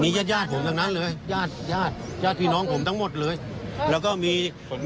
ญาติญาติผมทั้งนั้นเลยญาติญาติพี่น้องผมทั้งหมดเลยแล้วก็มีผล